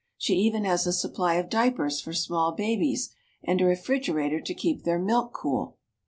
She even has a supply of diapers for small babies and a refrigerator to keep their milk cool.